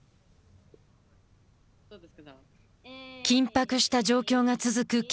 緊迫した状況が続く